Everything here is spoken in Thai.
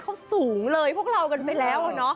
เขาสูงเลยพวกเรากันไปแล้ว